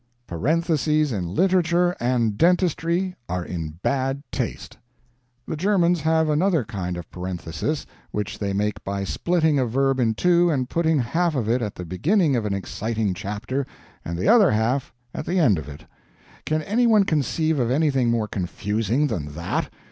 Parentheses in literature and dentistry are in bad taste. The Germans have another kind of parenthesis, which they make by splitting a verb in two and putting half of it at the beginning of an exciting chapter and the OTHER HALF at the end of it. Can any one conceive of anything more confusing than that?